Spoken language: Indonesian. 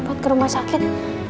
buat ke rumah sakit